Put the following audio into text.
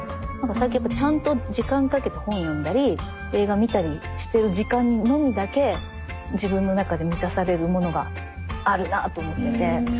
最近ちゃんと時間かけて本読んだり映画見たりしてる時間のみだけ自分の中で満たされるものがあるなと思ってて。